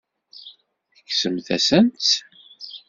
Tekksemt-asent-tt.